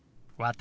「私」。